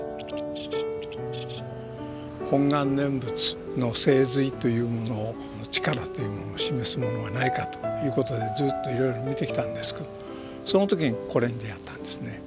「本願念仏」の精髄というものを力というものを示すものはないかということでずっといろいろ見てきたんですけどその時にこれに出遭ったんですね。